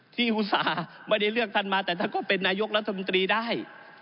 อุตส่าห์ไม่ได้เลือกท่านมาแต่ท่านก็เป็นนายกรัฐมนตรีได้